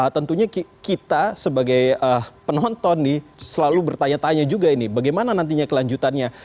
tentunya kita sebagai penonton nih selalu bertanya tanya juga ini bagaimana nantinya kelanjutannya